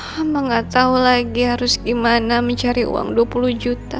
mama gak tahu lagi harus gimana mencari uang dua puluh juta